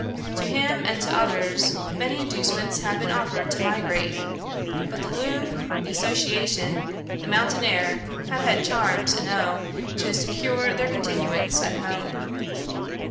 To him and to others many inducements have been offered to migrate; but the loom, the association, the mountain air have had charms enow to secure their continuance at home.